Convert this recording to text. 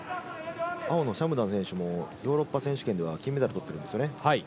青のシャムダン選手もヨーロッパ選手権では金メダルを取っているんですよね。